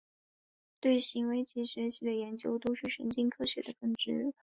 对行为及学习的研究都是神经科学的分支。